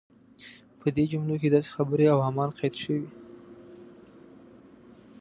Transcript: په دې جملو کې داسې خبرې او اعمال قید شوي.